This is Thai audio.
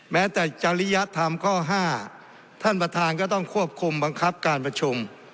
แม้แต่จริยธรรมข้อ๕ท่านประธานก็ต้องควบคุมบังคับการประชุม